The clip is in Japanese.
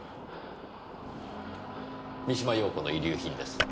三島陽子の遺留品です。